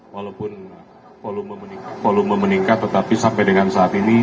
walaupun volume meningkat tetapi sampai dengan saat ini